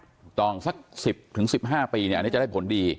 ถูกต้องสักสิบถึงสิบห้าปีเนี่ยอันนี้จะได้ผลดี